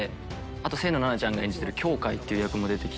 あと清野菜名ちゃんが演じてる羌っていう役も出て来て。